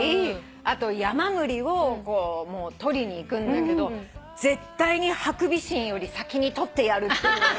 あと山栗をとりに行くんだけど絶対にハクビシンより先にとってやるっていう。